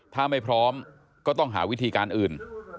ถ้าไม่พร้อมก็ต้องหาวิธีการอื่น